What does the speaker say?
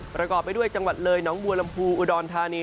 ประกอบไปด้วยจังหวัดเลยน้องบัวลำพูอุดรธานี